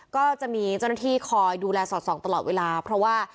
ก็จะมีเจ้าหน้าที่คอยดูแลสอดส่องตลอดเวลาเพราะว่า